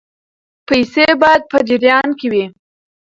پیسې باید په جریان کې وي.